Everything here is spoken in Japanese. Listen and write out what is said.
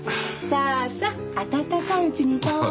さあさあ温かいうちにどうぞ。